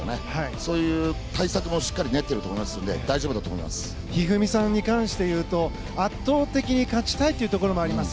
そういう対策もしっかり練っていると思いますので一二三さんに関して言うと圧倒的に勝ちたいというところもあります。